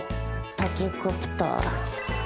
タケコプター」